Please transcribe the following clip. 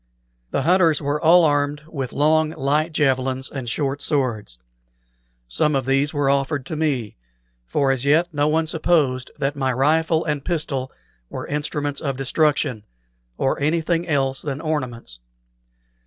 The hunters were all armed with long, light javelins and short swords. Some of these were offered to me, for as yet no one supposed that my rifle and pistol were instruments of destruction, or anything else than ornaments.